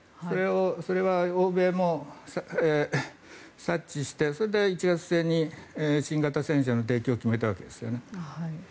それは欧米も察知してそれで１月中に新型戦車の提供を決めたわけですよね。